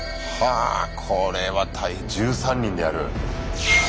あこれは１３人でやる。